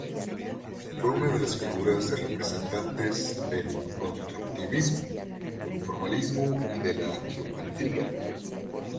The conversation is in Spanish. Fue una de las figuras representativas del constructivismo, del informalismo y de la geometría.